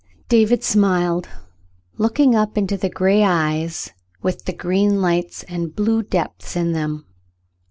David smiled, looking up into the gray eyes with the green lights and blue depths in them.